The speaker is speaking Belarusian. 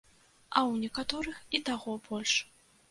А ў некаторых і таго больш.